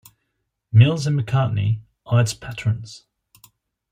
Mills and McCartney are its patrons.